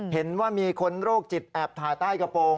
เห็นว่ามีคนโรคจิตแอบถ่ายใต้กระโปรง